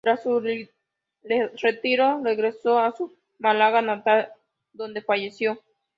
Tras su retiro, regresó a su Málaga natal, donde falleció.